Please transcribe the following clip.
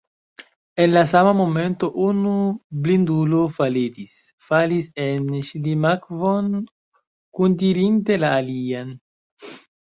En la sama momento unu blindulo faletis, falis en ŝlimakvon, kuntirinte la alian.